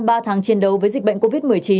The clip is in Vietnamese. ba tháng chiến đấu với dịch bệnh covid một mươi chín